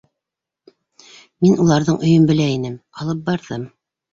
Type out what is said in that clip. Мин уларҙың өйөн белә инем, алып барҙым.